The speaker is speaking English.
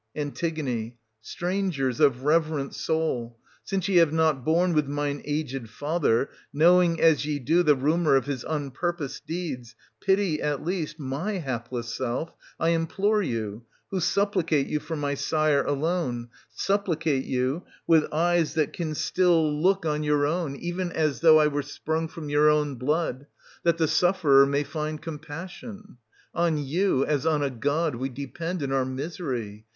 An. Strangers of reverent soul, since ye have not borne with mine aged father, — knowing, as ye do, the rumour of his unpurposed deeds, — pity, at least, my 240 hapless self, I implore you, who supplicate you for my sire alone, — supplicate you with eyes that can still look 70 SOPHOCLES, [245—274 on your own, even as though I were sprung from youi own blood, that the sufferer ma};^ find compassion. On you, as on a god, we depend in our misery.